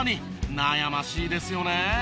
悩ましいですよね。